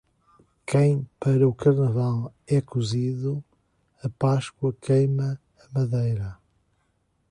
Quem para o Carnaval é cozido, a Páscoa queima a madeira.